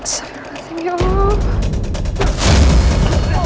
sayang banget ya allah